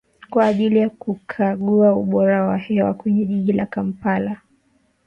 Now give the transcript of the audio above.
Kwa ajili ya kukagua ubora wa hewa kwenye jiji la Kampala